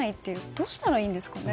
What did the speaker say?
どうしたらいいんですかね。